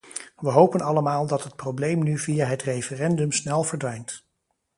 Wij hopen allemaal dat het probleem nu via het referendum snel verdwijnt.